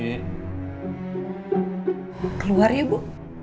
keluar ya bu